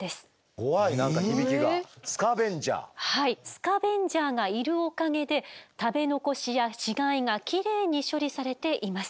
スカベンジャーがいるおかげで食べ残しや死骸がキレイに処理されています。